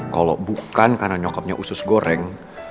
kalau bukan karena nyokopnya usus goreng